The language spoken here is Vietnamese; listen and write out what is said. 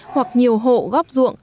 hoặc nhiều hộ góp ruộng